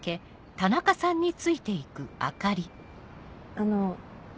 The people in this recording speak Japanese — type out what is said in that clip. あの。